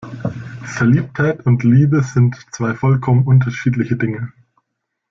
Verliebtheit und Liebe sind zwei vollkommen unterschiedliche Dinge.